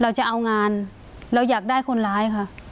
เราจะเอางานเราอยากได้คนร้ายค่ะ